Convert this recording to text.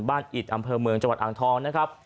อิตอำเภอเมืองจังหวัดอ่างทองนะครับ